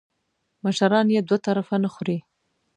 مشران یې دوه طرفه نه خوري .